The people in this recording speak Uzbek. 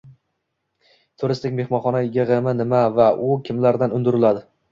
Turistik-mehmonxona yig’imi nima va u kimlardan undiriladi?